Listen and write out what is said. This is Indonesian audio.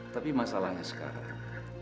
tapi masalahnya sekarang